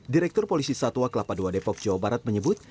direktur polisi satwa kelapa ii depok jawa barat menyebut